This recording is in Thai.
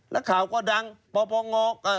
และข่าก็ดังผมพอง้อ